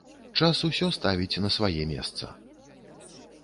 Час усё ставіць на свае месца.